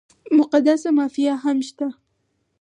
مقدسه مافیا هم شته ده.